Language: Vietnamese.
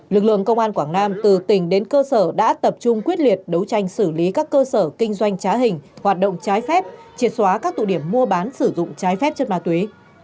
lực lượng công an quảng nam từ tỉnh đến cơ sở đã tập trung quyết liệt đấu tranh xử lý các cơ sở kinh doanh trá hình hoạt động trái phép triệt xóa các tụ điểm mua bán sử dụng trái phép chất ma túy